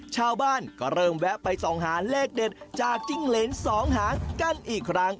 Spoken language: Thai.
ชาวบ้านก็เริ่มแวะไปส่องหาเลขเด็ดจากจิ้งเหรนสองหางกันอีกครั้ง